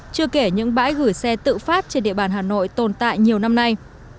chưa kể những bãi gửi xe tự phát trên địa bàn hà nội tồn tại nhiều năm nay